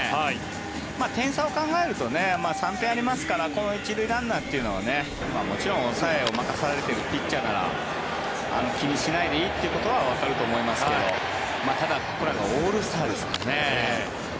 点差を考えると３点差ありますから１塁ランナーというのはもちろん抑えを任せられているピッチャーなら気にしないでいいということはわかると思いますけどただ、オールスターですからね。